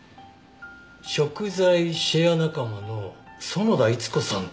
「食材シェア仲間の園田逸子さんと」。